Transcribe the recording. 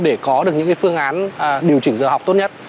để có được những phương án điều chỉnh giờ học tốt nhất